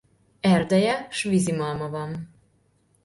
Erdeje s vizimalma van.